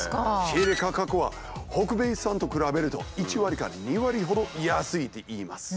仕入れ価格は北米産と比べると１割から２割ほど安いっていいます。